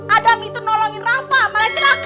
adam itu nolongin rafa malah celaka